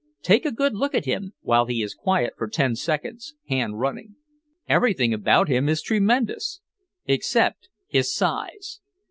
Take a good look at him while he is quiet for ten seconds hand running. Everything about him is tremendous—except his size.